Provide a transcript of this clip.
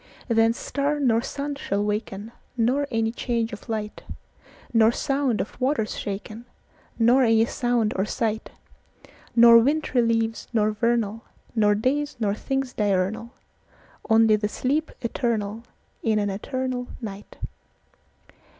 Then star nor sun shall waken, Nor any change of light:Nor sound of waters shaken, Nor any sound or sight:Nor wintry leaves nor vernal, Nor days nor things diurnal; Only the sleep eternalIn an eternal night.